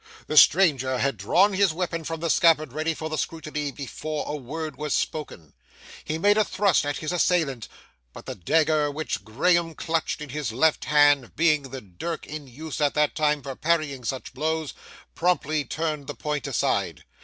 The stranger had drawn his weapon from the scabbard ready for the scrutiny, before a word was spoken. He made a thrust at his assailant, but the dagger which Graham clutched in his left hand being the dirk in use at that time for parrying such blows, promptly turned the point aside.